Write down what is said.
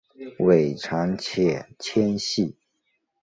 尾长且纤细。